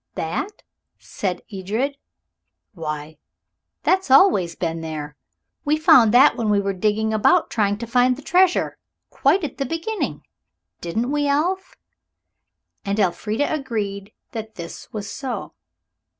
"That?" said Edred. "Why, that's always been there. We found that when we were digging about, trying to find the treasure. Quite at the beginning, didn't we, Elf?" And Elfrida agreed that this was so.